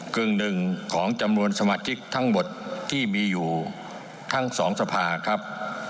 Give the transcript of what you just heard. กึ่งหนึ่งของจำนวนสมาชิกทั้งหมดที่มีอยู่ทั้งสองสภาครับ